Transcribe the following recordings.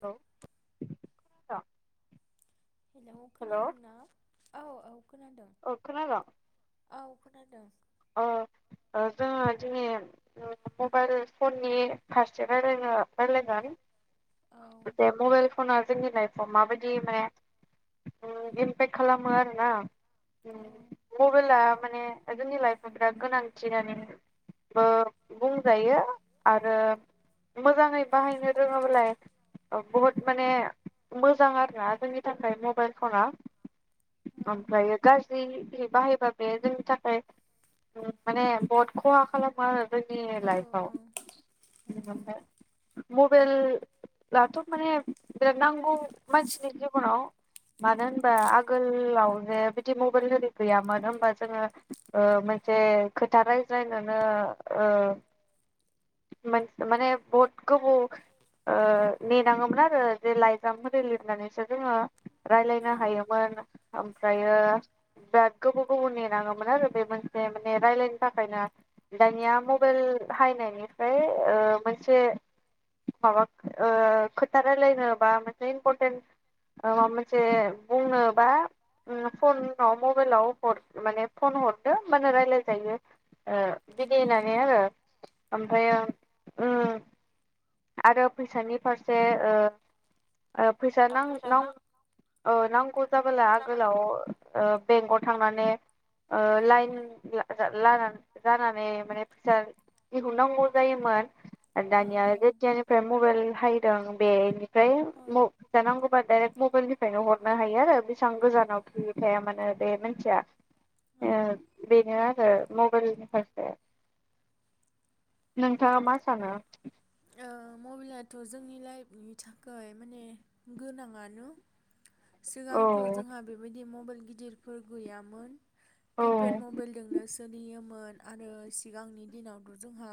औ थ हेलौ खोनादों ना? औ औ औ खोनादों। औ खोनादों ओ ओ जोङो दिनै मबाइल फननि फारसे रायलाय औ रायलायगोन जे मबाइल फना जोंनि लाइफआव माबायदि माने इमपेक्ट खालामो आरोना औ मबेला माने जोंनि लाइ बिराद गोनांथि होननानैबो बुंजायो आरो मोजाङै बाहायनो रोङोब्ला बुहुद माने मोजां आरोना जोंनि थाखाय मबाइल फना औ ओमफ्रायो गाज्रि बाहायबा बेयो जोंनि थाखाय माने बहुद खहा खालामो आरो जोंनि औ औ लाइफआव बिफ्राय मबाइलाथ' माने बिराद नांगौ मानसिनि जिउआव मानो होनबा आगोलाव जे बिदि मबाइल गैयामोन होमबा जोङो जे खोथा रायज्लायनोनो ओ मोन माने बहुद गोबाव ओ नेनाङोमोन आरो जे लाइजामफोर लिरनानैसो जोङो रायलायनो हायोमोन ओमफ्रायो औ बिराद गोबाव गोबाव नेनाङोमोन आरो बे मोन से माने रायलायनो थाखायनो दानिया मबाइल हायनायनिफ्राय ओ मोनसे माबा ओ खोथा रायलायनो बा मोनसे इम्परथेन माबा मोनसे बुंनो बा फनाव मबाइलाव ह माने फन हरदो मा होनना रायलायबाय थायो यो ओ होननानै आरो ओमफ्रायो आरो फैसानि फारसे ओ ओ फैसा औ नांउ नाउ नांगौ ओ नांगौ जाबोला आगोलाव बेंकआव थांनानै ओ लाइन ला-ला जानानै माने फैसा दिहुननांगौ जायोमोन औ दानिया औ जेथियानिफाय मबेल हाय दं बेनो दायो नांगौबा डायेक्ट मबाइलनि नो हरनो हायो आरो बेसेबां गोजानाव थायो थाया मानो बे मोनथिया औ ओ ए बेनो आरो मबाइलनि फारसे नोंथाङा मा सानो। मबाइलाथ' जोंनि लाइफनि थाखाय माने गोनाङानो औ सिगांथ' जोंहा बेबायदि बि मबाइल गिदिरफोर गैयामोन। औ किपेड मबाइलजोंनो सोलियोमोन आरो सिगांनि दिनावथ' जोंहा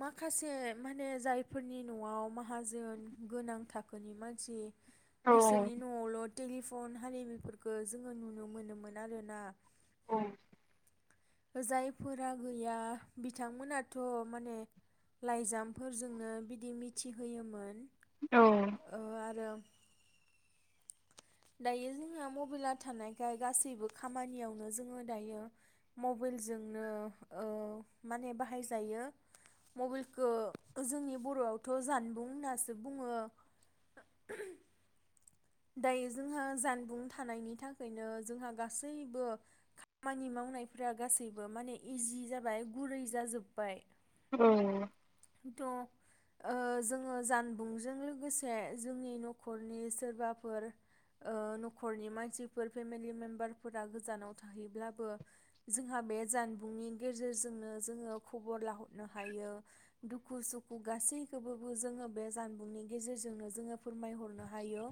माखासे माने जायफोरनि न'आव माहाजोन गोनां थाखोनि मानसि औ बिसोरनि न'आवल' टेलिफन हारिमुफोरखौ जोङो नुनो मोनोमोन आरोना औ जायफोरा गैया बिथांमोनाथ' माने लाइजामफोरजोंनो बिदि मिथिहोयोमोन। औ ओ आरो दायो जोंहा मबाइला थानायखाय गासैबो खामानियावनो जोङो दायो मबेलजोंनो ओ माने बाहायजायो मबलखौ जोंनि बर'आवथ' जानबुं होन्नासो बुङो। दायो जोंहा जानबुं थानायनि थाखायनो जोंहा गासैबो खामानि मावनायफ्रा गासैबो माने इजि जाबाय गुरै जाजोब्बाय। औ थ' जोङो जानबुंजों लोगोसे जोंनि न'खरनि सोरबाफोर न'खरनि मानसिफोर फेमिलि मेम्बारफोरा गोजानाव थाहैब्लाबो जोंहा बे जानबुंनि गेजेरजोंनो जोङो खबर लाहरनो हायो। दुखु सुखु गासैखौबोबो जोङो बे जानबुंनि गेजेरजोंनो जोङो फोरमायहरनो हायो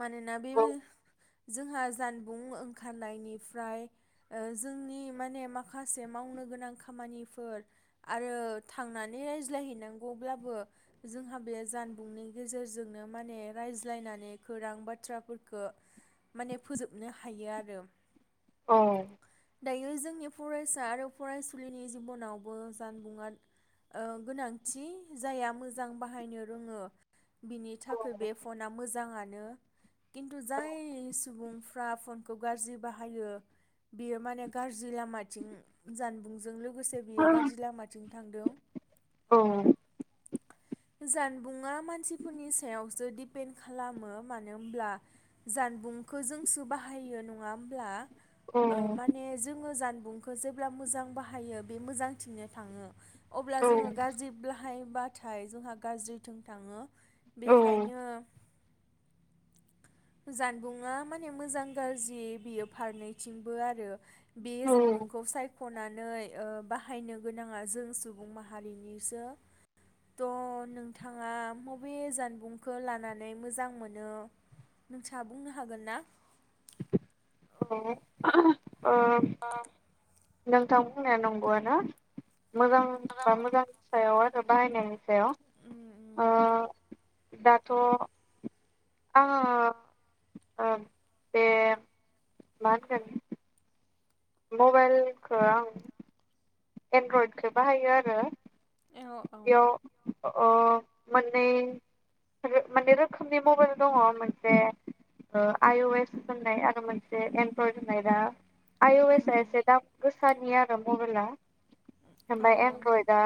मानोना बे औ जोंहा जानबुं ओंखारनायनिफ्राय जोंनि माने माखासे मावनो गोनां खामानिफोर आरो थांनानै रायज्लायहैनांगौब्लाबो जोंहा बे जानबुंनि गेजेरजोंनो माने रायज्लायनानै खौां बाथ्राफोरखौ माने फोजोबनो हायो आरो। औ दायो जोंनि फरायसा आरो फरायसुलिनि जिबनावबो जानबुंङा ओ गोनांथि जायआ मोजां बाहायनो रोङो बिनि औ थाखाय बे फना मोजाङानो खिन्थु जाय सुबुंफ्रा फनखौ गाज्रि बाहायो बियो माने गाज्रि लामाथिं जानबुंजों लो गोसे औ बियो थांदों औ जानबुंआ मानसिफोरनि सायावसो दिपेन्ड खालामो मानो होमब्ला जानबुंखौ जोंसो बाहायो नङा होमब्ला? ओ माने जो जोङो जानबुंखौ जेब्ला मोजां बाहायो बे मोजां थिंनो थाङो अब्ला औ जोङो गाज्रि बाहायल्बाथाय जोंहा गाज्रिथिं थाङो। बेखायनो जानबुंआ माने मोजां गाज्रि बियो फारनैथिंबो आरो। बे ओ जानबुंखौ सायख'नानै ओ बा हायनो गोनाङा जों सुबुं माहारिनिसो थ' नोंथाङा मबे जानबुंखौ लानानै मोजां मोनो नोंथाङा बुंनो हागोन ना [unintelligible] [unintelligible] नोंथां बुंनाया नंगौआनो मोजां बा मोजांनि सायाव आरो बाहायनायनि सायाव ओ दाथ' आंङो ओ बे मा होनगोन मबाइलखो आं एनड्रइडखौ बाहायो आरो। औ औ अ मोननै मोननै रोखोमनि मबाइल दंङ मोनसे आइ अ एस होननाय आरो मोनसे एनड्रइड होननाय दा आइ अ एस आ एसे दाम गोसानि आरो मबाइला। ओमफाय एनड्रइयदा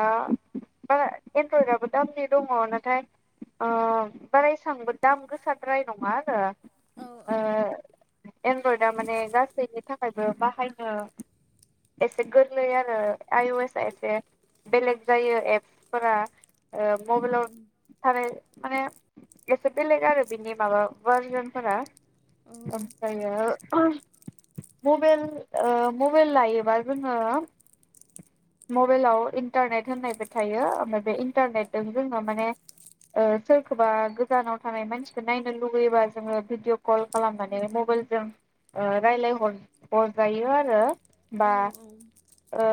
बारा एनड्रइडआबो दामनि दङ नाथाय ओ बारा एसेबांबो दाम गोसाद्राय नङा आरो। एनड्रयडा माने गासैनि थाखायबो बाहायनो एसे गोरलै आरो। आइ अ एस आ एसे बेलेग जायो एपसफोरा ओ मबाइलाव थानाय माने एसे बेलेग आरो बिनि माबा भारजनफोरा। ओमफ्रायो मबेल ओ मबेल लायोबा जोंङो मबेलाव इन्टारनेट होननायबो थायो ओमफ्राय बे इन्टारनेटजों जोंङो माने सोरखौबा गोजानाव थानाय मानसिखौ नायनो लुबैयोबा जोंङो भिडिअ कल खालामनानै मबाइलजों रायलाय हर-हरजायो आरो। बा ओ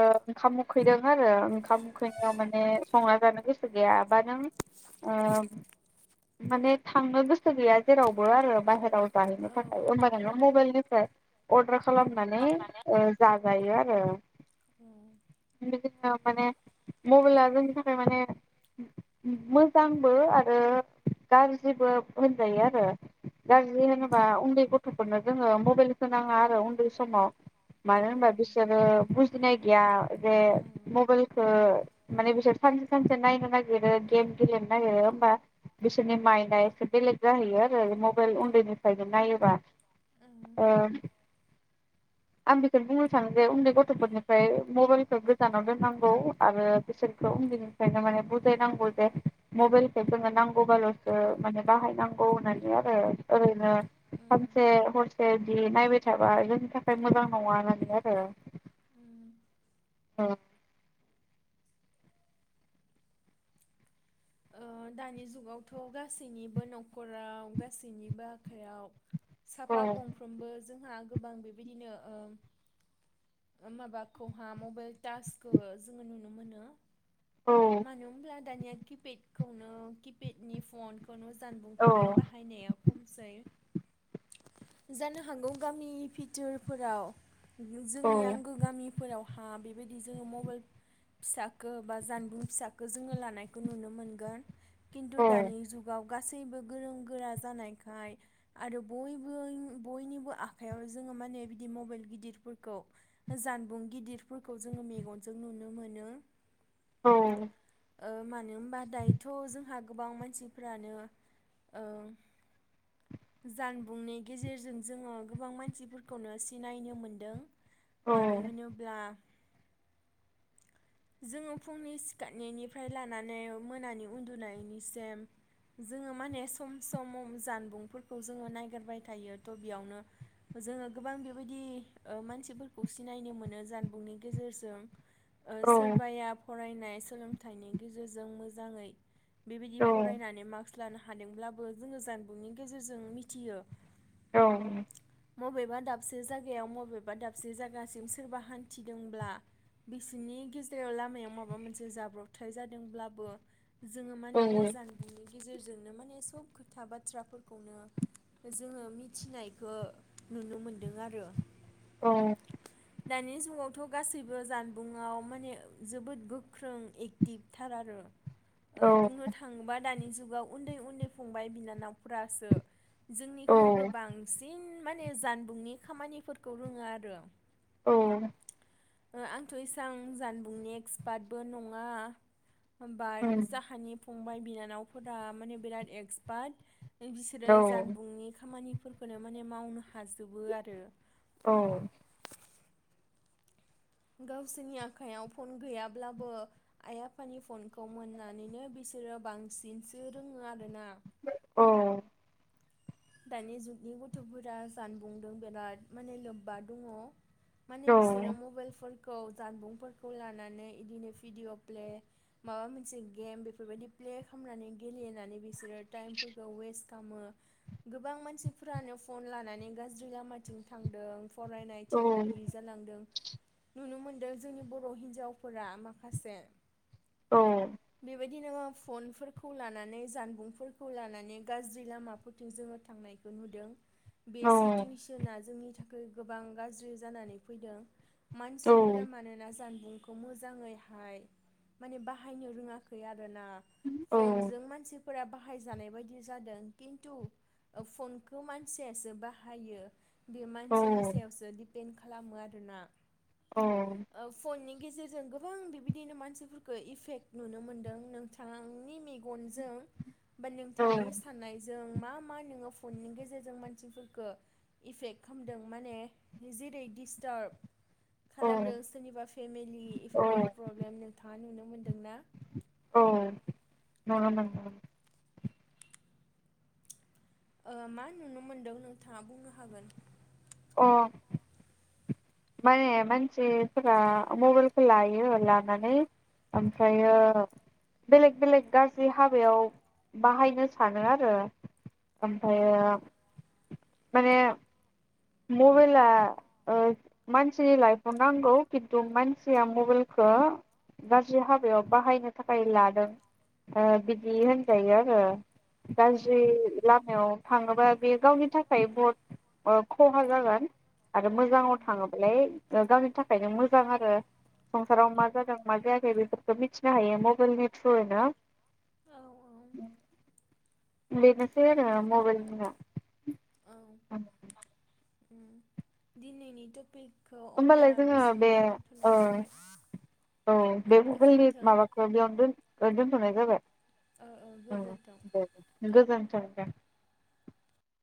ओ ओंखाम उखैदों आरो ओंखाम उखैनायाव माने संना जानो गोसो गैयाबा नों ओ माने थांनो गोसो गैया जेरावबो आरो बाहेराव जाहैनो थाखाय ओमबा नोङो मबेलनिफ्राय अर्दार खालामनानै जाजायो आरो। बिदिनो माने मबेला जोंनि थाखाय माने मोजांबो आरो गाज्रिबो होनजायो आरो गाज्रि होनोबा उन्दै गथ'फोरनो जोंङो मबेलखौ नाङा आरो उन्दै समाव। मानो होमबा बिसोरो बुजिनाय गैया जे मबेलखौ माने बिसोर सानसे सानसे नायनो नागिरो गेम गेलेनो नागिरो होमबा बिसोरनि माइन्दआ एसे बेलेग जाहैयो आरो मबेल उन्दैनिफ्रायनो नायोबा। आं बेखौनो बुंनो सानो जे उन्दै गथ'फोरनिफ्राय मबेलखौ गोजानाव दोननांगौ आरो बिसोरखौ उन्दैनिफ्रायनो माने बुजायनांगौ जे मबेलखौ जोंङो नांगौबाल'सो माने बाहायनांगौ होननानै आरो ओरैनो सानसे हरसे बिदि नायबाय थाबा जोंनि था खाय मोजां नङा होननानै आरो। औ ओ दानि जुगावथ' गासैनिबो न'खराव गासैनिबो आखाइयाव औ साफा गंफ्रोमबो जों हा गोबां बेबायदिनो माबाखौहा मबाइल टासखौ जोंङो नुनो मोनो। औ मानो होनब्ला दानिया किपेत खौनो किपेडनि फन खौनो औ जानबुंखौनो बाहायनाया खमसै जानो हागौ गामि भिथोरफोराव औ जोंनि आंगो गामिफोराव हा बिबायदि जोङो मबाइल फिसखौ बा जानबुं फिसखौ जोङो लानायखौ नुनो मोनगोन गोन किन्तु औ दानि जुगाव गासैबो गोरों गोरा जानायखाय आरो बयबो बयनिबो आखायाव जोङो माने बिदि मबाइल गिदिरफोरखौ जानबुं गिदिरफोरखौ जोङो मेगनजों नुनो मोनो औ ओ मानो होनबा दाय थ' जोंहा गोबां मानसिफोरानो ओ जानबुंनि गेजेरजों जोङो गोबां मानसिफोरखौनो सिनायनो मोनदों औ मानो होनोब्ला जोङो फुंनि सिखारनायनिफ्राय लानानै मोनानि उन्दुनायनिसेम जोङो माने सम सम जानबुंफोरखौ जोङो नायगिरबाय थायो थ' बेयावनो जोङो गोबां बेबायदि मानसिफोरखौ सिनायनो मोनो जानबुंनि गेजेरजों ओ सि औ सोरबाया फरायनो नाय सोलोंथाइनि गेजेरजों मोजाङै बेबायदि फरायनानै मार्कस हादोंब्लाबो जोङो जानबुंनि गेजेरजों मिथियो औ बबेबा दाबसे जायगायाव बबेबा दाबसे जायगासिम सोरबा हान्थिदोंब्ला बिसनि सिथायायाव लामायाव माबा मोनसे जाब्रबथाय जादोंब्लाबो जोङो औ माने जानगि गेजेरजोंनो माने सब खोथा बाथ्राफोरखौनो जोङो मिथिनायखौ नुनो मोनदों आरो औ दानि जुगावथ' गासैबो जानबुंङाव माने जोबोद गोख्रों एक्टिभथार आरो औ ओ बुंनो थाङोबा दानि जुगाव उन्दै उन्दै फंबाय बिनानावफ्रासो जोंनिख्रुइबो बांसिन माने जानबुंनि खामानिफोरखौ रोङो आरो औ आंथ' इसां जान नेक्स बाटबो नङा होमबा जाहोनि फंबाय बिनावफोरा माने बिराद एक्सपार्ट बिसोरो जानबुंनि खामानि फोरखौनो माने मावनो हाजोबो आरो औ गावसोरनि आखाइयाव फन गैयाब्लाबो आइ आफानि फनखौ मोननानैनो बिसोरो बांसिनसो रोङो आरोना औ दानि जुगनि गथ'फोरा जानबुंदों बिराद माने लोब्बा दङ माने बिसोरो मबाइल फन खौ जानबुंफोरखौ लानानै इदिनो भिडिअ' प्ले माबा मोनसे गेम बेफोरबायदि प्ले खालामनानै गेलेनानै बिसोरो टाइमफोरखौ वेस्ट खालामो। गोबां मानसिफोरानो फन लानानै गाज्रि लामाथिं थांदों। फरायनायथिं गैयि जालांदों। नुनो मोनदों जोंनि बर' हिन्जावफोरा माखासे बेबायदि बिदिनो फनफोरखौ लानानै जानबुंफोरखौ लानानै गाज्रि लामाफोर थिं जोङो थांनायखौ नुदों। बे सिटुवेसना जोंनि थाखाय गोबां गाज्रि जानानै फैदों। मानसिफोरा मानोना जानबुं बुंखौ मोजाङैहाय माने बाहायनो रोङाखै आरो। होना फनजों मानसि फोरा बाहायजानाय बायदि जादों खिन्थु फनखौ मानसियासो बाहायो। बे मानसिनि सायावसो दि पेन्ड खालामो आरोना। औ फननि गेजेरजों गोबां बिबायदिनो मानसिफोरखौ इफेक्ट नुनो मोन्दों नोंथांनि मेगनजों बा नोंथांनि साननाय जों मा मा नोङो फननि गेजेरजों मानसिफोरफोरखौ इफेक्ट खालामदों माने जेरै डिस्टार्ब खालामदों सोरनिबा फेमिलि बेफोरबायदि प्रब्लेम नोंथाङा नुनो। मोनदोंना? औ न न नोंगौ। ओ मा नुनो मोनदों नोंथाङा बुंनो हागोन। अ माने मानसिफोरा मबाइलखौ लायो लानानै ओमफ्रायो बेलेक बेलेक गाज्रि हाबायाव बाहायनो सानो आरो औ ओमफ्रायो माने मबेला ओ मानसिनि लाइफआव नांगौ खिन्थु मानसिया मबेलखौ गाज्रि हाबायाव बाहायनो थाखाय लादों ओ बिदि होनजायो आरो। औ गाज्रि लामायाव थाङोबा बे गावनि थाखाय बहत ओ खहा जागोन। आरो मोजाङाव थाङोबालाय गावनि थाखायनो मोजां आरो संसाराव मा औ जादों मा जायाखै बेफोरखौ मिथिनो हायो मबेलनि थ्रुयैनो औ औ औ बेनोसै आरो मबेलनिया। [inaudible] दिनैनि तफिक होमबालाय जोङो बे जाबाय ओह औ ओ, बे मबेलनि गोजोन्थों माबाखौ बेयावनो दोन ओह दोनथ'नाय जाबाय। औ औ गोजोन्थों ओह अह गोजोन्थों। [inaudible]